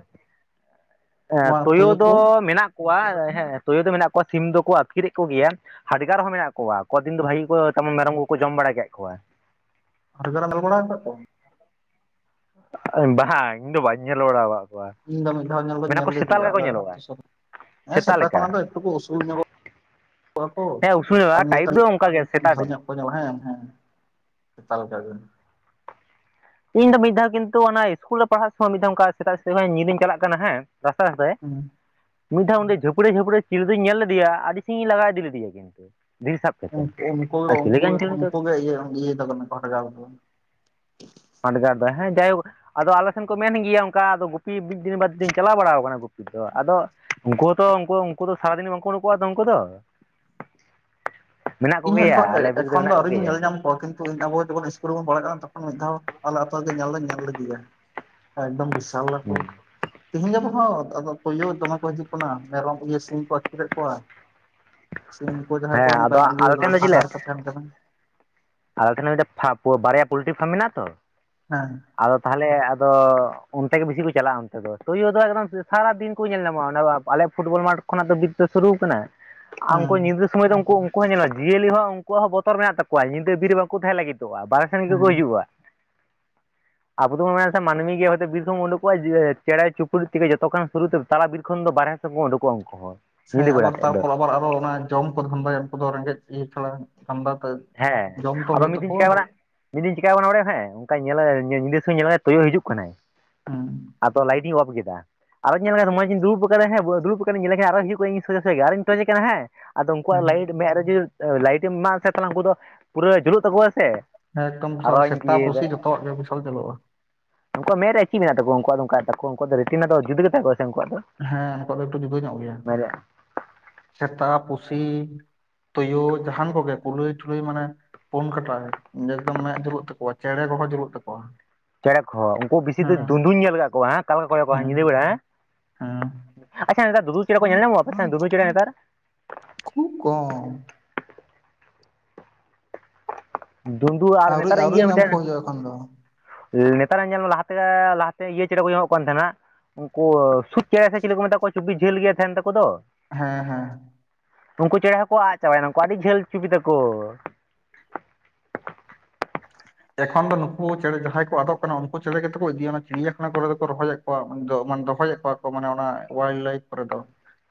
ᱮᱸ ᱵᱟᱝ ᱛᱩᱭᱩ ᱫᱚ ᱠᱚ ᱢᱮᱱᱟᱜ ᱠᱚᱣᱟ ᱦᱮᱸ ᱛᱩᱭᱳ ᱫᱚ ᱢᱮᱱᱟᱜ ᱠᱚᱣᱟ ᱥᱤᱢ ᱫᱚᱠᱚ ᱟᱹᱛᱠᱤᱨᱮᱫ ᱠᱚᱜᱮᱭᱟ ᱦᱟᱰᱜᱟᱨ ᱦᱚᱸ ᱢᱮᱱᱟᱜ ᱠᱚᱣᱟ ᱠᱚᱫᱤᱱ ᱫᱚ ᱵᱷᱟᱜᱤ ᱠᱚ ᱛᱮᱢᱚᱱ ᱢᱮᱨᱚᱢ ᱠᱚᱠᱚ ᱡᱚᱢ ᱵᱟᱲᱟ ᱠᱮᱜ ᱠᱚᱣᱟ। ᱦᱟᱰᱜᱟᱨ ᱮᱢ ᱧᱮᱞ ᱵᱟᱲᱟᱣ ᱠᱟᱜ ᱠᱚᱣᱟ? ᱵᱟᱝ ᱤᱧ ᱫᱚ ᱵᱟᱹᱧ ᱧᱮᱞ ᱵᱟᱲᱟ ᱠᱟᱫ ᱠᱚᱣᱟ। ᱤᱧ ᱫᱚ ᱢᱤᱫ ᱫᱷᱟᱣ ᱧᱮᱞ ᱫᱚᱧ ᱢᱮᱱᱟ ᱧᱮᱞ ᱠᱚ ᱥᱮᱛᱟ ᱞᱮᱫᱤᱭᱟ ᱞᱮᱠᱟ ᱠᱚ ᱟᱞᱮ ᱟᱛᱳ ᱧᱮᱞᱚᱜᱼᱟ ᱥᱩᱨ ᱨᱮ ᱦᱮᱸ ᱥᱮᱛᱟ ᱠᱷᱚᱱᱟᱜ ᱫᱚ ᱮᱠᱴᱩᱠᱚ ᱩᱥᱩᱞ ᱧᱚᱜᱚᱜ ᱠᱚ ᱠᱚᱣᱟ ᱠᱚ ᱦᱮᱸ ᱟᱨ ᱩᱥᱩᱞᱚᱜᱼᱟ ᱴᱟᱭᱤᱯ ᱫᱚ ᱚᱱᱠᱟ ᱜᱮ [inaudible] ᱥᱮᱛᱟ ᱡᱷᱟᱹᱞ ᱴᱟᱭᱤᱯ ᱧᱚᱜ ᱠᱚ ᱡᱟᱞᱟ ᱦᱮᱸ ᱦᱮᱸ ᱥᱮᱛᱟ ᱞᱮᱠᱟ ᱜᱮ। ᱤᱧ ᱫᱚ ᱢᱤᱫᱷᱟᱣ ᱠᱤᱱᱛᱩ ᱚᱱᱟ ᱤᱥᱠᱩᱞ ᱨᱮ ᱯᱟᱲᱦᱟᱜ ᱥᱚᱢᱚᱭ ᱢᱤᱫᱷᱟᱣ ᱚᱱᱠᱟ ᱥᱮᱛᱟᱜ [unintelligible] ᱠᱷᱚᱱᱟᱜ ᱧᱤᱫᱟᱹᱧ ᱪᱟᱞᱟᱜ ᱠᱟᱱᱟ ᱦᱮᱸ ᱨᱟᱥᱛᱟ ᱨᱟᱥᱛᱟ ᱛᱮ ᱦᱩᱸ᱾ ᱢᱤᱫ ᱫᱷᱟᱣ ᱚᱸᱰᱮ ᱡᱷᱟᱹᱯᱲᱤ ᱡᱟᱹᱯᱲᱤ ᱪᱤᱞᱤ ᱫᱩᱧ ᱧᱮᱞ ᱞᱮᱫᱮᱭᱟ ᱟᱹᱰᱤ ᱥᱟᱸᱜᱤᱧ ᱤᱧ ᱞᱟᱜᱟ ᱤᱫᱤ ᱞᱮᱫᱮᱭᱟ ᱠᱤᱱᱛᱩ। ᱫᱷᱤᱨᱤ ᱥᱟᱵ ᱠᱟᱛᱮ ᱩᱱᱠᱩ ᱩᱱᱠᱩ ᱟᱨ ᱜᱮ ᱪᱤᱞᱤ ᱠᱟᱱ ᱪᱚᱭ ᱩᱱᱤ ᱫᱚ ᱩᱱᱠᱩ ᱜᱮ ᱤᱭᱟᱹ [inaudible] ᱦᱟᱰᱜᱟᱨ ᱫᱚ᱾ ᱦᱟᱰᱜᱟᱨ ᱫᱚ ᱦᱮᱸ ᱡᱟᱭᱦᱳᱠ ᱟᱫᱚ ᱟᱞᱮ ᱥᱮᱱ ᱠᱚ ᱢᱮᱱ ᱜᱮᱭᱟ ᱚᱱᱠᱟ ᱟᱫᱚ ᱜᱩᱯᱤ ᱢᱤᱫ ᱫᱤᱱ ᱵᱟᱨ ᱫᱤᱱ ᱪᱟᱞᱟᱣ ᱵᱟᱲᱟᱣ ᱠᱟᱱᱟ ᱜᱩᱯᱤ। ᱟᱫᱚ ᱩᱱᱠᱩ ᱦᱚᱛᱚ ᱩᱱᱠᱩ ᱩᱱᱠᱩ ᱫᱚ ᱥᱟᱨᱟᱫᱤᱱ ᱵᱟᱝᱠᱚ ᱩᱰᱩᱠᱚᱜᱼᱟ ᱛᱚ ᱩᱱᱠᱩ ᱫᱚ। ᱢᱮᱱᱟᱜ ᱤᱧᱦᱚᱸ ᱠᱚᱜᱮᱭᱟ ᱟᱞᱮ ᱵᱤᱨ ᱨᱮᱫᱚ ᱮᱠᱷᱚᱱ ᱫᱚ ᱢᱮᱱᱟᱜ ᱟᱨᱣᱨᱤᱧ ᱠᱚᱜᱮᱭᱟ ᱧᱮᱞ ᱧᱟᱢ ᱠᱚᱣᱟ ᱠᱤᱱ ᱛᱩ ᱟᱵᱚ ᱡᱚᱠᱷᱚᱱ ᱤᱥᱠᱩᱞ ᱨᱮᱵᱚᱱ ᱯᱟᱲᱟᱜ ᱠᱟᱱᱟ ᱛᱚᱠᱷᱚᱱ ᱢᱤᱫ ᱫᱷᱟᱣ ᱟᱞᱮ ᱟᱛᱳ ᱨᱮ ᱜᱮ ᱧᱮᱞ ᱫᱩᱧ ᱧᱮᱞ ᱞᱮᱫᱮᱭᱟ। ᱮᱠᱫᱚᱢ ᱵᱤᱥᱟᱞ ᱞᱟᱴᱩ ᱛᱤᱦᱤᱧ ᱜᱟᱯᱟ ᱦᱚᱸ ᱟᱫᱚ ᱛᱩᱭᱩ ᱫᱚᱢᱮ ᱠᱚ ᱦᱤᱡᱩᱜ ᱠᱟᱱᱟ, ᱢᱮᱨᱚᱢ ᱤᱭᱟᱹ ᱥᱤᱢ ᱠᱚ ᱟᱛᱠᱤᱨᱮᱫ ᱠᱚᱣᱟ। ᱥᱤᱢ ᱠᱚ ᱡᱟᱸᱦᱟᱭ ᱠᱚ ᱚᱱᱠᱟ ᱤᱭᱟᱹ ᱠᱟᱱ ᱫᱚ ᱡᱮᱞᱟᱹ, ᱥᱤᱠᱟᱨ ᱠᱚ ᱛᱟᱦᱮᱱ ᱠᱟᱱᱟ ᱟᱞᱮ ᱴᱷᱮᱱ ᱦᱚᱸ ᱢᱤᱫ ᱫᱷᱟᱣ ᱯᱷᱟ ᱯᱷᱚ ᱵᱟᱨᱭᱟ ᱯᱳᱞᱴᱨᱤ ᱯᱷᱟᱨᱢ ᱢᱮᱱᱟᱜ-ᱟ ᱛᱚ, ᱦᱮᱸ᱾ ᱟᱫᱚ ᱛᱟᱦᱚᱞᱮ ᱟᱫᱚ ᱚᱱᱛᱮ ᱜᱮ ᱵᱮᱥᱤ ᱠᱚ ᱪᱟᱞᱟᱜᱼᱟ ᱚᱱᱛᱮ ᱫᱚ, ᱛᱳᱭᱳ ᱫᱚ ᱮᱠᱫᱚᱢ ᱥᱟᱨᱟ ᱫᱤᱱ ᱠᱚ ᱧᱮᱞ ᱧᱟᱢᱚᱜᱼᱟ ᱚᱱᱟ ᱟᱞᱮ ᱯᱷᱩᱴᱵᱚᱞ ᱢᱟᱴ ᱠᱷᱚᱱᱟᱜ ᱫᱚ ᱵᱤᱨ ᱫᱚ ᱥᱩᱨᱩ ᱟᱠᱟᱱᱟ, ‌ ᱟ ᱩᱱᱠᱩ ᱦᱮᱸ ᱧᱤᱫᱟᱹ ᱥᱚᱢᱚᱭ ᱫᱚ ᱩᱝᱠᱩ ᱩᱝᱠᱩ ᱦᱚᱸ ᱧᱮᱞᱚᱜ ᱡᱤᱭᱟᱹᱞᱤ ᱦᱚᱸ ᱩᱝᱠᱩᱣᱟᱜ ᱦᱚᱸ ᱵᱚᱛᱚᱨ ᱢᱮᱱᱟᱜ ᱛᱟᱠᱚᱣᱟ ᱧᱤᱫᱟᱹ ᱵᱤᱨ ᱨᱮ ᱵᱟᱝᱠᱚ ᱛᱟᱦᱮᱸ ᱞᱟᱹᱜᱤᱫᱚᱜᱼᱟ ᱵᱟᱦᱨᱮ ᱥᱮᱱ ᱜᱮᱠᱚ ᱦᱮᱸ ᱦᱤᱡᱩᱜᱼᱟ᱾ ᱟᱵᱚ ᱫᱚ ᱵᱚᱱ ᱢᱮᱱᱟ ᱥᱮ ᱢᱟᱹᱱᱢᱤ ᱜᱮ ᱦᱚᱭᱛᱚ ᱵᱤᱨ ᱠᱷᱚᱱ ᱵᱚᱱ ᱳᱸᱰᱩᱠᱚᱜᱼᱟ ᱪᱮᱬᱮ ᱪᱩᱯᱲᱩᱡ ᱛᱮᱜᱮ ᱡᱚᱛᱚ ᱠᱷᱚᱱ ᱥᱩᱨᱩ ᱛᱮ ᱛᱟᱞᱟ ᱵᱤᱨ ᱠᱷᱚᱱ ᱫᱚ ᱵᱟᱨᱦᱮ ᱥᱮ ᱠᱚ ᱳᱸᱰᱩᱠᱚᱜᱼᱟ ᱩᱝᱠᱩ ᱦᱚᱸ᱾ ᱥᱮᱸ ᱧᱤᱫᱟᱹ ᱵᱮᱲᱟ ᱟᱵᱟᱨ ᱛᱮᱫ ᱫᱚ ᱛᱟᱨᱯᱚᱨ ᱟᱵᱟᱨ ᱟᱨᱚ ᱚᱱᱟ ᱡᱚᱢ ᱠᱚ ᱫᱷᱟᱱᱫᱟᱭᱟ ᱩᱝᱠᱩ ᱫᱚ ᱨᱮᱸᱜᱮᱡ ᱤᱭᱟᱹ ᱪᱷᱟᱲᱟ ᱴᱷᱟᱱᱰᱟ ᱛᱮ, ᱦᱮᱸ ᱡᱚᱢ ᱛᱚ ᱟᱫᱚ ᱦᱳᱭᱳᱜ ᱢᱤᱫ ᱫᱤᱱ ᱛᱟᱠᱚᱣᱟ᱾ ᱪᱤᱠᱟᱹ ᱵᱟᱲᱟ ᱢᱤᱫ ᱫᱤᱱ ᱪᱮᱠᱟᱣ ᱠᱟᱱᱟ ᱵᱟᱲᱟᱭᱟᱢ ᱦᱮᱸ, ᱚᱝᱠᱟ ᱧᱮᱞᱮ ᱧᱤᱫᱟᱹ ᱥᱚᱢᱚᱭ ᱧᱮᱞᱮᱭᱟ ᱛᱳᱭᱳ ᱦᱤᱡᱩᱜ ᱠᱟᱱᱟᱭ, ᱦᱩᱸ᱾ ᱟᱫᱚ ᱞᱟᱭᱤᱴ ᱤᱧ ᱚᱯᱷ ᱠᱮᱫᱟ, ᱟᱨᱚᱸᱧ ᱧᱮᱞᱮ [unintelligible] ᱢᱚᱡᱤᱧ ᱫᱩᱲᱩᱵ ᱜᱚᱫ ᱠᱟᱫᱟ ᱦᱮᱸ ᱫᱩᱲᱩᱵ ᱟᱠᱟᱱᱤᱧ ᱧᱮᱞᱮ ᱠᱟᱹᱱᱟᱹᱧ ᱟᱨᱦᱚᱸ ᱦᱤᱡᱩᱜ ᱠᱟᱱᱟᱭ ᱤᱧ ᱥᱚᱡᱮ ᱥᱮᱡᱮ ᱜᱮ ᱟᱨᱚᱧ ᱴᱚᱡᱮ ᱠᱟᱱᱟ ᱦᱮᱸ, ᱟᱫᱚ ᱩᱝᱠᱩᱣᱟᱜ ᱦᱮᱸ ᱞᱟᱭᱤᱴ ᱢᱮᱫ ᱨᱮ ᱡᱩᱫᱤ ᱞᱟᱭᱤᱴ ᱮᱢ ᱮᱢᱟᱜ-ᱟ ᱥᱮ ᱛᱟᱦᱚᱞᱮ ᱩᱝᱠᱩ ᱫᱚ, ᱯᱩᱨᱟᱹ ᱡᱩᱞᱩᱜ ᱛᱟᱠᱚᱣᱟ ᱥᱮ। ᱦᱮᱸ ᱮᱠᱫᱚᱢ ᱟᱨᱚᱧ ᱥᱮᱛᱟ ᱤᱭᱟᱹᱭᱮᱫᱟ ᱯᱩᱥᱤ ᱡᱚᱛᱚᱣᱟᱜ ᱜᱮ ᱵᱤᱥᱟᱞ ᱡᱳᱞᱳᱜᱼᱟ᱾ ᱩᱝᱠᱩᱣᱟᱜ ᱢᱮᱫ ᱨᱮ ᱪᱤᱜ ᱢᱮᱱᱟᱜ ᱛᱟᱠᱚᱣᱟ ᱩᱝᱠᱩᱣᱟᱜ ᱫᱚ ᱚᱝᱠᱟᱜ ᱛᱟᱠᱚᱣᱟ, ᱩᱝᱠᱩᱣᱟᱜ ᱫᱚ ᱨᱮᱴᱤᱱᱟ ᱫᱚ ᱡᱩᱫᱟᱹ ᱜᱮ ᱛᱟᱦᱮᱸ ᱠᱚᱜ-ᱟ ᱥᱮ ᱩᱝᱠᱩᱣᱟᱜ ᱫᱚ? ᱦᱮᱸ ᱱᱩᱠᱩᱣᱟᱜ ᱫᱚ ᱮᱠᱴᱩ ᱡᱩᱫᱟᱹ ᱧᱚᱜ ᱜᱮᱭᱟ, ᱢᱮᱫ ᱨᱮ ᱥᱮᱛᱟ, ᱯᱩᱥᱤ, ᱛᱩᱭᱩ, ᱡᱟᱦᱟᱸᱱ ᱠᱚᱜᱮ ᱠᱩᱞᱟᱹᱭ ᱴᱩᱞᱟᱹᱭ ᱢᱟᱱᱮ ᱯᱩᱱ ᱠᱟᱴᱟ ᱜᱮ ᱮᱠᱫᱚᱢ ᱢᱮᱫ ᱡᱩᱞᱩᱜ ᱛᱟᱠᱚᱣᱟ ᱪᱮᱬᱮ ᱠᱚᱦᱚᱸ ᱡᱩᱞᱩᱜ ᱛᱟᱠᱚᱣᱟ᱾ ᱪᱮᱬᱮ ᱠᱚᱦᱚᱸ ᱩᱝᱠᱩ ᱵᱮᱥᱤ ᱫᱚ ᱦᱮᱸ ᱫᱩᱸᱫᱩᱧ ᱧᱮᱞ ᱠᱟᱜ ᱠᱚᱣᱟ ᱦᱟᱸᱜ᱾ [unintelligible] ᱧᱤᱫᱟᱹ ᱵᱮᱲᱟ ᱦᱮᱸ, ᱦᱮᱸ ᱟᱪᱪᱷᱟ ᱱᱮᱛᱟᱨ ᱫᱩᱸᱫᱩ ᱪᱮᱬᱮ ᱠᱚ ᱧᱮᱞ ᱧᱟᱢᱚᱜᱼᱟ ᱟᱯᱮ ᱥᱮᱱ ᱫᱩᱸᱫᱩ ᱪᱮᱬᱮ ᱱᱮᱛᱟᱨ? ᱠᱷᱩᱵ ᱠᱚᱢ᱾ ᱫᱩᱱᱫᱩ ᱟᱨ ᱟᱹᱣᱨᱤ ᱱᱮᱛᱟᱨ ᱟᱹᱣᱨᱤ ᱤᱭᱟᱹ ᱧᱟᱢ ᱢᱤᱫᱴᱮᱱ ᱠᱚ ᱦᱩᱭᱩᱜᱼᱟ ᱮᱠᱷᱚᱱ ᱫᱚ ᱱᱮᱛᱟᱨ ᱦᱟᱸᱜ ᱧᱮᱞ ᱢᱮ ᱞᱟᱦᱟᱛᱮ ᱞᱟᱦᱟᱛᱮ ᱤᱭᱟᱹ ᱪᱮᱬᱮ ᱠᱚ ᱧᱟᱢᱚᱜ ᱠᱟᱱ ᱛᱟᱦᱮᱸᱱᱟ, ᱩᱝᱠᱩ ᱥᱩᱡᱽ ᱪᱮᱸᱬᱮ ᱥᱮ ᱪᱮᱞᱮ ᱠᱚ ᱢᱮᱛᱟ ᱠᱚᱣᱟ ᱪᱩᱯᱤ ᱡᱷᱟᱹᱞ ᱜᱮ ᱛᱟᱦᱮᱸᱱ ᱛᱟᱠᱚ ᱫᱚ? ᱦᱮᱸ ᱦᱮᱸ᱾ ᱩᱝᱠᱩ ᱪᱮᱬᱮ ᱦᱚᱸ ᱠᱚ ᱟᱜ ᱪᱟᱵᱟᱭᱮᱱᱟ ᱩᱝᱠᱩ ᱟᱹᱰᱤ ᱡᱷᱟᱹᱞ ᱪᱩᱯᱤ ᱛᱟᱠᱚᱻ᱾ ᱮᱠᱷᱚᱱ ᱫᱚ ᱱᱩᱠᱩ ᱪᱮᱬᱮ ᱡᱟᱦᱟᱸᱭ ᱠᱚ ᱟᱫᱚᱜ ᱠᱟᱱᱟ ᱩᱱᱠᱩ ᱪᱮᱬᱮ ᱜᱮᱛᱚ ᱠᱚ ᱤᱫᱤᱭᱟ ᱚᱱᱟ ᱪᱤᱲᱤᱭᱟ ᱠᱷᱟᱱᱟ ᱠᱚᱨᱮ ᱫᱚ ᱠᱚ ᱨᱚᱦᱚᱭᱮᱜ ᱠᱚᱣᱟ ᱫᱚ [unintelligible] ᱫᱚᱦᱚᱭᱮᱜ ᱠᱚᱣᱟ ᱠᱚ ᱢᱟᱱᱮ ᱚᱱᱟ ᱚᱣᱟᱭᱤᱞᱰ ᱞᱟᱭᱤᱯᱷ ᱠᱚᱨᱮ ᱫᱚ,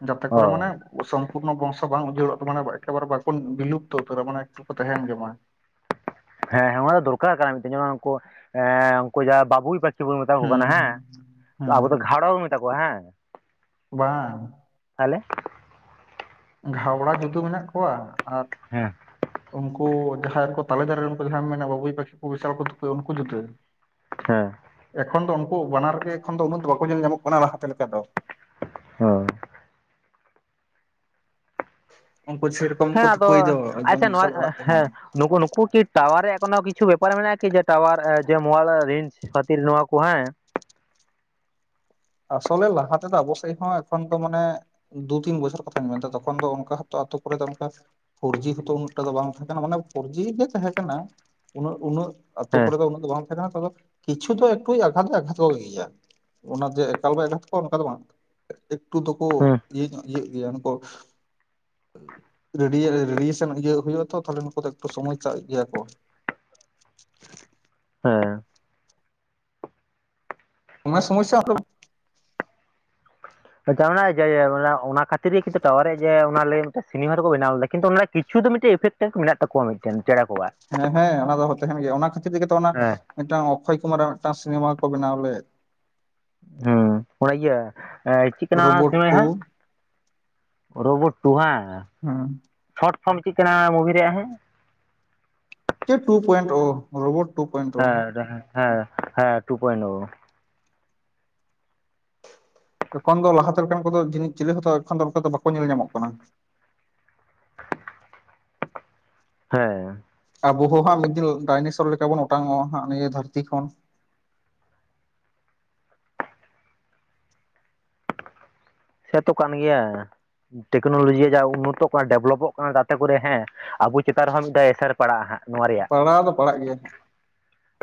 ᱡᱟᱛᱮ ᱚ ᱠᱚᱨᱮ ᱢᱟᱱᱮ ᱥᱚᱢᱯᱩᱨᱱᱚ ᱵᱚᱝᱥᱚ ᱵᱟᱝ ᱩᱡᱟᱹᱲᱚᱜ ᱛᱮ ᱢᱟᱱᱮ ᱮᱠᱮᱵᱟᱨᱮ ᱵᱟᱠᱚ ᱵᱤᱞᱩᱯᱛᱚ ᱩᱛᱟᱹᱨᱚᱜ ᱢᱟᱱᱮ ᱮᱠᱴᱩ ᱠᱚ ᱛᱟᱦᱮᱸᱱ ᱜᱮ ᱢᱟ᱾ ᱦᱮᱸ ᱦᱮᱸ ᱚᱱᱟ ᱫᱚ ᱫᱚᱨᱠᱟᱨ ᱠᱟᱱᱟ ᱢᱤᱫᱴᱮᱱ ᱡᱮᱢᱚᱱ ᱩᱝᱠᱩ ᱮᱸᱻ ᱩᱝᱠᱩ ᱡᱟᱦᱟᱸ ᱵᱟᱹᱵᱩᱭ ᱯᱟ ᱠᱷᱤ ᱵᱚᱱ ᱢᱮᱛᱟ ᱠᱚ ᱠᱟᱱᱟ ᱦᱮᱸ᱾ ᱟᱵᱚ ᱦᱮᱸ ᱫᱚ ᱜᱷᱟᱲᱣᱟ ᱵᱚᱱ ᱢᱮᱛᱟ ᱠᱚᱣᱟ? [unintelligible] ᱵᱟᱝ᱾ ᱛᱟᱦᱚᱞᱮ᱾ ᱜᱷᱟᱣᱲᱟ ᱡᱩᱫᱟᱹ ᱢᱮᱱᱟᱜ ᱠᱚᱣᱟ ᱟᱨ [unintelligible] ᱩᱱᱠᱩ ᱡᱟᱦᱟᱸᱭ ᱠᱚ ᱛᱟᱞᱮ ᱫᱟᱨᱮ ᱨᱮᱱᱠᱚ ᱡᱟᱦᱟᱸᱭ ᱢᱮᱱᱮᱜ ᱵᱟᱹᱵᱩᱭ ᱯᱟᱠᱷᱤ ᱠᱚ ᱵᱤᱥᱟᱞ ᱠᱚ ᱛᱩᱠᱟᱹᱭ ᱩᱱᱠᱩ ᱡᱩᱫᱟᱹ, [inaudible] ᱦᱮᱸ᱾ ᱮᱠᱷᱚᱱ ᱫᱚ ᱩᱱᱠᱩ ᱵᱟᱱᱟᱨ ᱜᱮ ᱮᱠᱷᱚᱱ ᱫᱚ ᱩᱱᱟᱹᱜ ᱫᱚ ᱵᱟᱠᱚ ᱧᱮᱞ ᱧᱟᱢᱚᱜ ᱠᱟᱱᱟ ᱞᱟᱦᱟᱛᱮ ᱞᱮᱠᱟ ᱫᱚ᱾ ᱦᱳᱭ᱾ ᱩᱱᱠᱩ ᱥᱮᱨᱚᱠᱚᱢ ᱦᱮᱸ ᱠᱚ ᱟᱫᱚ, ᱛᱩᱠᱟᱹᱭ ᱫᱚ ᱮᱠᱫᱚᱢ ᱟᱪᱪᱷᱟ ᱱᱚᱣᱟ ᱵᱤᱥᱟᱞ ᱚᱲᱟᱜ ᱠᱚ ᱦᱮᱸ ᱵᱮᱱᱟᱣᱟ ᱱᱳᱠᱳ ᱱᱳᱠᱩ ᱠᱤ ᱴᱟᱣᱟᱨ ᱨᱮᱭᱟᱜ ᱠᱳᱱᱳ ᱠᱤᱪᱷᱩ ᱵᱮᱯᱟᱨ ᱢᱮᱱᱟᱜᱼᱟ ᱠᱤ ᱡᱮ ᱴᱟᱣᱟᱨ ᱡᱮ ᱢᱳᱣᱟᱞᱟ ᱨᱤᱡᱥ ᱠᱷᱟᱹᱛᱤᱨ ᱱᱚᱣᱟ ᱠᱚ ᱦᱮᱸ? ᱟᱥᱚᱞᱮ ᱞᱟᱦᱟᱛᱮ ᱫᱚ ᱟᱵᱚ ᱥᱮᱜ ᱦᱚᱸ ᱮᱠᱷᱚᱱ ᱛᱚ ᱢᱟᱱᱮ ᱫᱩ ᱛᱤᱱ ᱵᱚᱪᱷᱚᱨ ᱠᱚ ᱛᱟᱦᱮᱸᱱ ᱠᱟᱱ ᱛᱚ ᱛᱚᱠᱷᱚᱱ ᱫᱚ ᱚᱱᱠᱟ ᱦᱚᱸ ᱛᱚ ᱟᱛᱳ ᱠᱚᱨᱮ ᱫᱚ ᱚᱱᱠᱟ ᱯᱷᱳᱨᱡᱤ ᱦᱚᱸ ᱛᱚ ᱩᱱᱟᱹᱜ ᱴᱟ ᱫᱚ ᱵᱟᱝ ᱛᱟᱦᱮᱸ ᱠᱟᱱᱟ, ᱢᱟᱱᱮ ᱯᱷᱳᱨᱡᱤ ᱜᱮ ᱛᱟᱦᱮᱸ ᱠᱟᱱᱟ ᱩᱱᱟᱹᱜ ᱩᱱᱟᱹᱜ ᱟᱛᱳ ᱦᱮᱸ ᱠᱚᱨᱮ ᱫᱚ ᱩᱱᱟᱹᱜ ᱫᱚ ᱵᱟᱝ ᱛᱟᱦᱮᱸ ᱠᱟᱱᱟ ᱛᱚᱵᱮ ᱠᱤᱪᱷᱩ ᱫᱚ ᱮᱠᱴᱩ ᱟᱜᱷᱟᱛ ᱫᱚᱭ ᱟᱜᱷᱟᱛ ᱠᱚ ᱜᱮᱭᱟ ᱚᱱᱟ ᱡᱮ ᱮᱠᱟᱞᱵᱟᱭ ᱟᱜᱷᱟᱛ ᱠᱚᱣᱟ ᱚᱱᱠᱟ ᱫᱚ ᱵᱟᱝ, ᱮᱠᱴᱩ ᱫᱚᱠᱚ ᱦᱮᱸ ᱤᱭᱟᱹ ᱧᱚ ᱤᱭᱟᱹᱜ ᱜᱮᱭᱟ ᱩᱱᱠᱩ। ᱨᱮᱰᱤᱭ ᱨᱮᱰᱤᱭᱮᱥᱚᱱ ᱤᱭᱟᱹ ᱦᱩᱭᱩᱜ-ᱟ ᱛᱚ ᱛᱟᱦᱚᱞᱮ ᱱᱩᱠᱩ ᱫᱚ ᱮᱠᱴᱩ ᱥᱚᱢᱚᱥᱥᱟ ᱜᱮᱭᱟ ᱠᱚ। ᱦᱮᱸ ᱱᱚᱣᱟ ᱥᱚᱢᱚᱥᱥᱟ ᱦᱚᱞᱳ ᱟᱪᱷᱟ ᱚᱱᱟ ᱡᱮ ᱢᱟᱱᱮ ᱚᱱᱟ ᱠᱷᱟᱹᱛᱤᱨ ᱜᱮ ᱚᱱᱟ ᱠᱷᱟᱹᱛᱤᱨ ᱜᱮ ᱠᱤᱱᱛᱩ ᱴᱟᱣᱟᱨᱮ ᱚᱱᱟ ᱞᱟᱹᱜᱤᱫ ᱥᱤᱱᱤᱢᱟ ᱨᱮᱠᱚ ᱵᱮᱱᱟᱣ ᱞᱮᱫᱟ ᱠᱤᱱᱛᱩ ᱚᱱᱟ ᱠᱤᱪᱷᱩ ᱫᱚ ᱢᱤᱫᱴᱮᱡ ᱤᱯᱷᱮᱠᱴ [unintelligible] ᱴᱮᱠ ᱢᱮᱱᱟᱜ ᱛᱟᱠᱚᱣᱟ ᱢᱤᱫ। ᱪᱮᱱ ᱪᱮᱸᱬᱮ ᱠᱚ। ᱦᱮᱸ ᱦᱮᱸ ᱚᱱᱟ ᱫᱚ ᱦᱚᱸ ᱛᱟᱦᱮᱱ ᱜᱮᱭᱟ ᱚᱱᱟ ᱠᱷᱟᱹᱛᱤᱨ ᱛᱮᱜᱮ ᱛᱚ ᱚᱱᱟ ᱦᱮᱸ ᱢᱤᱫᱴᱟᱝ ᱚᱠᱠᱷᱚᱭ ᱠᱩᱢᱟᱨᱟᱜ ᱢᱤᱫᱴᱟᱝ ᱥᱤᱱᱮᱢᱟ ᱠᱚ ᱵᱮᱱᱟᱣ ᱞᱮᱫ। ᱦᱮᱸ ᱚᱱᱟ ᱤᱭᱟᱹ ᱮ ᱪᱮᱫ ᱠᱟᱱᱟ ᱚᱱᱟ ᱨᱳᱵᱳᱴ ᱥᱤᱱᱮᱢᱟ ᱴᱩ ᱦᱟᱸᱜ? ᱨᱳᱵᱳᱴ ᱴᱩ ᱵᱟᱝ। ᱦᱩᱸ। ᱥᱚᱨᱴ ᱯᱷᱚᱨᱚᱢ ᱪᱮᱫ ᱠᱟᱱᱟ ᱢᱩᱵᱷᱤ ᱨᱮᱭᱟᱜ ᱦᱮᱸ? ᱪᱮᱫ two point o. Robot two point. ᱳ ᱦᱮᱸ ᱦᱮᱸ ᱦᱮᱸ ᱴᱩ ᱯᱚᱭᱮᱱᱴ ᱳ। ᱮᱠᱷᱚᱱ ᱫᱚ ᱞᱟᱦᱟᱛᱮ ᱞᱮᱠᱟᱱ ᱠᱚᱫᱚ ᱡᱟᱹᱱᱤᱡ ᱪᱤᱞᱤ ᱦᱚᱸᱛᱚ ᱮᱠᱷᱚᱱ ᱫᱚ ᱚᱱᱠᱟ ᱫᱚ ᱵᱟᱠᱚ ᱧᱮᱞ ᱧᱟᱢᱚᱜ ᱠᱟᱱᱟ। ᱦᱮᱸ। ᱟᱵᱚ ᱦᱚᱸ ᱦᱟᱸᱜ ᱢᱤᱫ ᱫᱤᱱ ᱰᱟᱭᱱᱮᱥᱚᱨ ᱞᱮᱠᱟ ᱵᱚᱱ ᱚᱴᱟᱝᱚᱜ-ᱟ ᱦᱟᱸᱜ ᱱᱤᱭᱟᱹ ᱫᱷᱟᱹᱨᱛᱤ ᱠᱷᱚᱱ। ᱥᱮ ᱛᱚ ᱠᱟᱱ ᱜᱮᱭᱟ। ᱴᱮᱠᱱᱳᱞᱚᱡᱤᱭᱟ ᱡᱟ ᱩᱱᱱᱚᱛᱚᱜ ᱠᱟᱱᱟ ᱰᱮᱵᱷᱞᱚᱯᱚᱜ ᱠᱟᱱᱟ ᱡᱟᱛᱮ ᱠᱚᱨᱮ ᱦᱮᱸ ᱟᱵᱚ ᱪᱮᱛᱟᱱ ᱨᱮᱦᱚᱸ ᱢᱤᱫᱴᱟᱝ ᱮᱥᱮᱨ ᱯᱟᱲᱟᱜ-ᱟ ᱦᱟᱸᱜ ᱱᱚᱣᱟ ᱨᱮᱭᱟᱜ। ᱯᱟᱲᱟᱣ ᱫᱚ ᱯᱟᱲᱟᱜ ᱜᱮᱭᱟ ᱦᱟᱸᱜ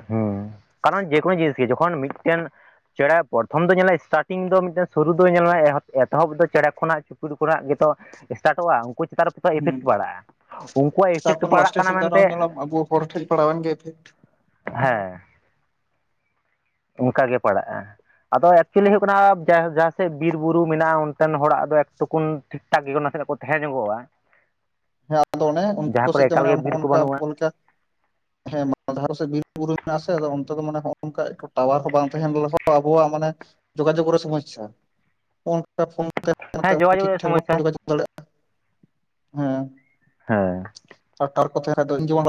ᱦᱩᱸ ᱠᱟᱨᱚᱱ ᱡᱮᱠᱚᱱᱳ ᱡᱤᱱᱤᱥ ᱜᱮ ᱡᱚᱠᱷᱚᱱ ᱢᱤᱫᱴᱮᱱ ᱪᱮᱸᱬᱮ ᱯᱨᱚᱛᱷᱚᱢ ᱫᱚ ᱧᱮᱞᱟ ᱥᱴᱟᱴᱤᱝ ᱫᱚ ᱢᱤᱫᱴᱮᱱ ᱥᱩᱨᱩ ᱫᱚ ᱧᱮᱞᱟᱭ ᱮᱦᱚᱵ ᱮᱛᱚᱦᱚᱵᱽ ᱫᱚ ᱪᱮᱸᱬᱮ ᱠᱷᱚᱱᱟᱜ ᱪᱩᱯᱲᱩ ᱠᱷᱚᱱᱟᱜ ᱜᱮᱛᱚ ᱥᱴᱟᱴᱚᱜ-ᱟ ᱩᱱᱠᱩ ᱪᱮᱛᱟᱱ ᱨᱮ ᱯᱨᱚᱛᱷᱚᱢ ᱤᱯᱷᱮᱠᱴ ᱦᱩᱸ ᱯᱟᱲᱟᱜ-ᱟ। ᱛᱟᱨᱯᱚᱨ ᱞᱟᱥᱴᱮ ᱥᱮᱫ ᱫᱚ ᱟᱨᱚ ᱧᱮᱞᱟᱢ ᱞᱟᱝ ᱟᱵᱚ ᱦᱚᱲ ᱴᱷᱮᱡ ᱯᱟᱲᱟᱣᱮᱱ ᱜᱮ ᱤᱯᱷᱮᱠᱴ ᱾ ᱦᱮᱸ। ᱚᱱᱠᱟ ᱜᱮ ᱯᱟᱲᱟᱜ-ᱟ। ᱟᱫᱚ ᱮᱠᱪᱩᱭᱮᱞᱤ ᱦᱩᱭᱩᱜ ᱠᱟᱱᱟ, ᱡᱟᱭ ᱦᱳᱠ ᱡᱟᱦᱟᱸ ᱥᱮᱫ ᱵᱤᱨ ᱵᱩᱨᱩ ᱢᱮᱱᱟᱜ-ᱟ। ᱚᱱᱛᱮᱱ ᱦᱚᱲᱟᱜ ᱫᱚ ᱮᱠᱴᱩᱠᱩᱱ ᱼᱼ ᱴᱷᱤᱠ ᱴᱷᱟᱠ ᱜᱮ ᱱᱟᱥᱮ ᱱᱟᱜ ᱠᱚ ᱛᱟᱦᱮᱸ ᱧᱚᱜᱚᱜ-ᱟ। ᱦᱮᱸ ᱟᱫᱚ ᱚᱱᱮ ᱩᱱᱠᱩ ᱠᱚ ᱠᱚᱨᱮ ᱥᱮᱫ ᱫᱚ, ᱮᱠᱟᱞ ᱢᱟᱱᱮ ᱜᱮ ᱵᱤᱨ ᱱᱚᱜ-ᱚ ᱠᱚ ᱱᱚᱝᱠᱟ ᱵᱟᱹᱱᱩᱜᱼᱟ ᱟᱵᱚ ᱞᱮᱠᱟ ᱼᱼ ᱦᱮᱸ ᱫᱷᱟᱨᱮ ᱥᱮᱫ ᱵᱤᱨ ᱵᱩᱨᱩ ᱢᱮᱱᱟᱜ ᱟᱥᱮ। ᱟᱫᱚ ᱚᱱᱛᱮ ᱫᱚ ᱢᱟᱱᱮ ᱱᱚᱜ ᱱᱚᱝᱠᱟ ᱴᱟᱣᱟᱨ ᱦᱚᱸ ᱵᱟᱝ ᱛᱟᱦᱮᱸᱱ। [inaudible] ᱟᱵᱚᱣᱟᱜ ᱢᱟᱱᱮ ᱼᱼ ᱡᱳᱜᱟᱡᱳᱜ ᱨᱮ ᱥᱚᱢᱚᱥ ᱥᱟ। [unintelligible] [inaudible] ᱦᱮᱸ ᱡᱳᱜᱟᱡᱳᱜᱽ ᱴᱷᱤᱠ ᱨᱮᱭᱟᱜ ᱴᱷᱟᱠ ᱥᱚᱢᱚᱥᱥᱟ ᱵᱟᱵᱚᱱ ᱡᱳᱜᱟᱡᱳᱜ ᱫᱟᱲᱮᱭᱟᱜ-ᱟ। ᱦᱮᱸ। ᱦᱮᱸ। ᱟᱨ ᱛᱟᱨᱯᱚᱨ ᱛᱮ ᱠᱷᱟᱡ ᱫᱚ [inaudible]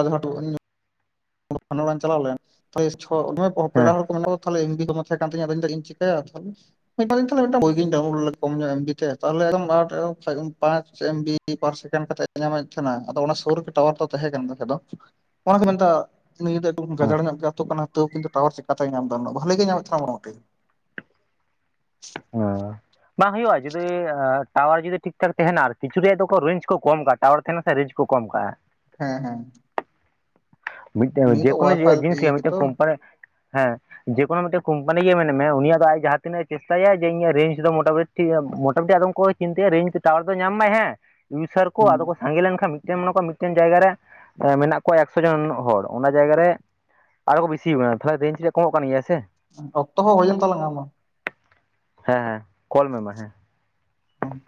ᱚᱲᱟᱜ ᱤᱧ ᱪᱟᱞᱟᱣ ᱞᱮᱱ। ᱛᱟᱦ [unintelligible] ᱪᱷᱚ [unintelligible] ᱦᱮᱸ ᱯᱮᱲᱟ ᱦᱚᱲ ᱠᱚ ᱢᱮᱱᱟᱜ ᱠᱚ ᱛᱟᱞᱮ [inaudible] ᱛᱟᱦᱮᱸ ᱠᱟᱱ ᱛᱤᱧᱟᱹ ᱟᱫᱚᱧ ᱪᱮᱤᱠᱟᱹᱭᱟ [inaudible] [inaudible] ᱰᱳᱭ ᱜᱤᱧ ᱵᱟᱣᱩᱱᱞᱳᱰ [inaudible] ᱠᱚᱢ ᱧᱚᱜ ᱮᱢᱵᱤ ᱛᱮ। ᱛᱟᱦᱟᱞᱮ ᱮᱠᱫᱚᱢ [inaudible] ᱯᱟᱸᱪ ᱮᱢ ᱵᱤ ᱼᱼ ᱠᱤ [unintelligible] ᱯᱟᱨ ᱥᱮᱠᱮᱱᱰ ᱠᱟᱛᱮ ᱧᱟᱢᱮᱫ ᱛᱟᱦᱮᱸᱱᱟ। ᱟᱫᱚ ᱚᱱᱟ ᱥᱩᱨ ᱨᱮ ᱜᱮ ᱴᱟᱣᱟᱨ ᱫᱚ ᱛᱟᱦᱮᱸ ᱠᱟᱱᱟ। [inaudible] ᱟᱫᱚ ᱚᱱᱟ ᱠᱚ ᱢᱮᱱᱛᱟᱜ [unintelligible] ᱼᱼ ᱱᱤᱭᱟᱹ ᱫᱚ ᱮᱠᱫᱚᱢ ᱦᱮᱸ ᱜᱟᱡᱟᱲ ᱧᱚᱜ ᱜᱮ ᱟᱹᱛᱩ ᱠᱟᱱᱟ। ᱛᱳᱣ ᱠᱤᱱᱛᱩ ᱴᱟᱣᱟᱨ ᱪᱤᱠᱟᱛᱮᱭ ᱧᱟᱢ ᱮᱫᱟ ᱱᱩᱱᱟᱹᱜ, ᱵᱷᱟᱹᱞᱤ ᱜᱮ ᱧᱟᱢᱮᱫ ᱛᱟᱦᱮᱸᱱᱟ ᱢᱚᱴᱟᱢᱩᱴᱤ। ᱦᱮᱸᱻ ᱵᱟᱝ ᱦᱩᱭᱩᱜ-ᱟ, ᱡᱩᱫᱤ ᱴᱟᱣᱟᱨ ᱡᱩᱫᱤ ᱴᱷᱤᱠ ᱴᱷᱟᱠ ᱛᱟᱦᱮᱸᱱᱟ ᱟᱨᱠᱤ। ᱠᱤᱪᱷᱩ ᱫᱤᱭᱮ ᱫᱚᱠᱚ ᱨᱮᱧᱡ ᱠᱚᱢ ᱠᱟᱜ ᱼᱼ ᱴᱟᱣᱟᱨ ᱛᱟᱦᱮᱸ ᱞᱮᱱ ᱠᱷᱟᱡ ᱨᱮᱧᱡᱽ ᱠᱚ ᱠᱚᱢ ᱠᱟᱜ-ᱟ। ᱦᱮᱸ ᱦᱮᱸ। ᱢᱤᱫᱴᱮᱱ ᱱᱤᱭᱟᱹ ᱫᱚ ᱡᱮᱠᱚᱱᱳ ᱚᱣᱟᱭᱯᱷᱟᱭ ᱡᱤᱱᱤᱥ ᱤᱭᱟᱹ ᱜᱮ ᱢᱤᱫᱴᱮᱱ ᱜᱮᱛᱚ ᱠᱳᱢᱯᱟᱱᱤ ᱦᱮᱸ᱾ ᱡᱮ ᱠᱚᱱᱳ ᱢᱤᱫᱴᱟᱝ ᱠᱳᱢᱯᱟᱱᱤ ᱜᱮ ᱢᱮᱱ ᱢᱮ ᱩᱱᱤᱭᱟᱜ ᱫᱚ ᱟᱡ ᱡᱟᱦᱟᱸ ᱛᱤᱱᱟᱹᱜ ᱮ ᱪᱮᱥᱴᱟᱭᱟ ᱡᱮ ᱤᱧ ᱨᱮᱧᱡᱽ ᱫᱚ ᱢᱚᱴᱟᱢᱩᱴ ᱴᱷᱤᱠ ᱜᱮᱭᱟ ᱢᱚᱴᱟᱢᱩᱴᱤ ᱟᱫᱚᱢ ᱠᱚ ᱪᱤᱱᱛᱟᱹᱭᱟ ᱨᱮᱧᱡᱽ ᱴᱟᱣᱟᱨ ᱫᱚ ᱧᱟᱢ ᱢᱟᱭ ᱦᱮᱸ᱾ ᱤᱱᱥᱟᱨ ᱠᱚ ᱦᱮᱸ ᱟᱫᱚ ᱠᱚ ᱥᱟᱸᱜᱮ ᱞᱮᱱᱠᱷᱟᱱ ᱢᱤᱫᱴᱮᱱ ᱢᱮᱱᱟᱜ ᱠᱚᱣᱟ ᱢᱤᱫᱴᱮᱱ ᱡᱟᱭᱜᱟ ᱨᱮ ᱢᱮᱱᱟᱜ ᱠᱚᱣᱟ ᱮᱠ ᱠᱷᱮᱴ ᱨᱮ ᱱᱩᱱᱟᱹᱜ ᱦᱚᱲ ᱚᱱᱟ ᱡᱟᱭᱜᱟ ᱨᱮ ᱟᱨᱚ ᱠᱚ ᱵᱮᱥᱤ ᱠᱟᱱᱟ ᱛᱟᱦᱚᱞᱮ ᱨᱮᱧᱡᱽ ᱫᱚ ᱠᱚᱢᱚᱜ ᱠᱟᱱ ᱜᱮᱭᱟ ᱥᱮ ᱚᱠᱛᱚ ᱦᱚ ᱦᱩᱭᱮᱱ ᱛᱟᱞᱟᱝ ᱟ ᱢᱟ ᱦᱮᱸ ᱦᱮᱸ ᱠᱚᱞ ᱢᱮ ᱢᱟ ᱦᱮᱸ ᱦᱮᱸ